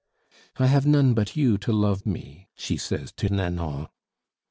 "I have none but you to love me," she says to Nanon.